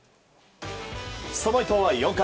その伊藤は４回。